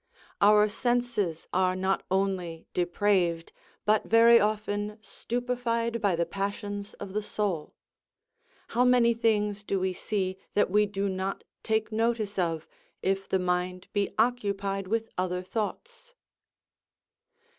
Our senses are not only depraved, but very often stupefied by the passions of the soul; how many things do we see that we do not take notice of, if the mind be occupied with other thoughts?